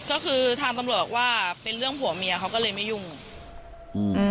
ก็คือทางตำรวจบอกว่าเป็นเรื่องผัวเมียเขาก็เลยไม่ยุ่งอืม